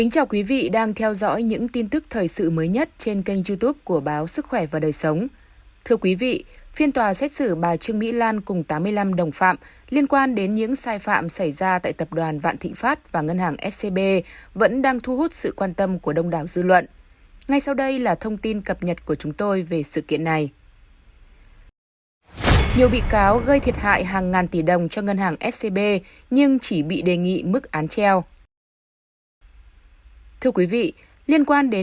chào mừng quý vị đến với bộ phim hãy nhớ like share và đăng ký kênh của chúng mình nhé